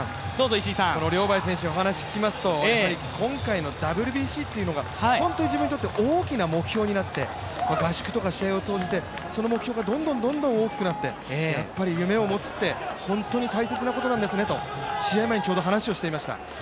リョウ・バイ選手、お話を聞きますと今回のＷＢＣというのが本当に自分にとって大きな目標になって合宿とか試合を通じて、その目標がどんどん大きくなって、やっぱり夢を持つって本当に大切なことなんですねと試合前にちょうど話をしていました。